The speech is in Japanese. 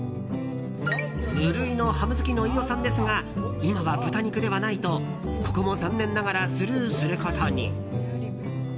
無類のハム好きの飯尾さんですが今は豚肉ではないとここも残念ながらスルーすることに。